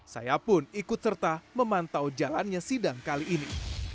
saya pun ikut serta memantau jalannya sidang kali ini